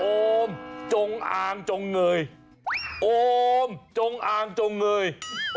โอมจงอางจงเงยโอมจงอางจงเงย